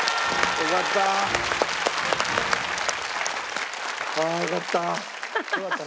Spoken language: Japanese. よかったな。